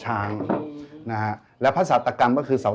ชื่องนี้ชื่องนี้ชื่องนี้ชื่องนี้